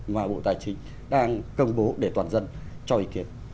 mà bộ tài chính đang công bố để toàn dân cho ý kiến